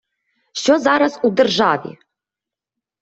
Що зараз у державі?